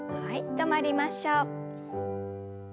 止まりましょう。